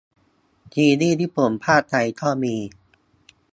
ซีรีย์ญี่ปุ่นพากษ์ไทยก็มี